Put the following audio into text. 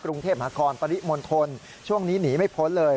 กรุงเทพมหาคอนปริมณฑลช่วงนี้หนีไม่พ้นเลย